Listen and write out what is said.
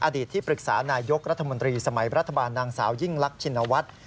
ที่ปรึกษานายกรัฐมนตรีสมัยรัฐบาลนางสาวยิ่งลักชินวัฒน์